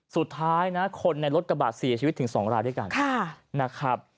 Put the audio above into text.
สุดท้ายนะคนในรถกระบาดเสียชีวิตถึง๒รายด้วยกันนะครับ